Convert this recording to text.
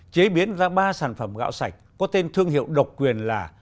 chế biến ra ba sản phẩm gạo sạch có tên thương hiệu độc quyền là